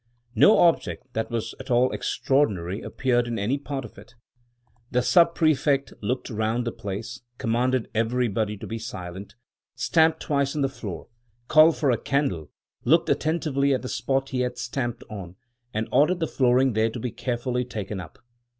No object that was at all extraordinary appeared in any part of it. The Sub prefect looked round the place, commanded everybody to be silent, stamped twice on the floor, called for a candle, looked attentively at the spot he had stamped on, and ordered the flooring there to be carefully taken up.